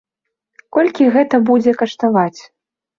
Колькі гэта будзе каштаваць?